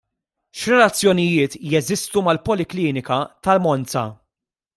X'relazzjonjiet jeżistu mal-poliklinika ta' Monza?